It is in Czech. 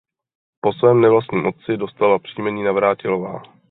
Po svém nevlastním otci dostala příjmení Navrátilová.